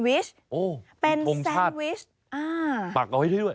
มีปรุงชาตุ